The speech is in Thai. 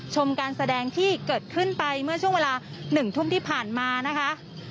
ชมการแสดงที่เกิดขึ้นไปเมื่อช่วงเวลา๑ทุ่มที่ผ่านมานะคะ